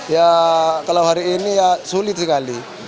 ya kalau hari ini ya sulit sekali